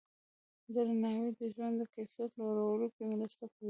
درناوی د ژوند د کیفیت لوړولو کې مرسته کوي.